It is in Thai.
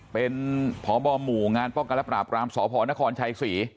เป็นพบหมู่งานป้องกันและปราบรามสพนครชัยศรี